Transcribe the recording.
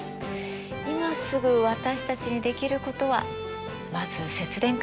今すぐ私たちにできることはまず節電かな？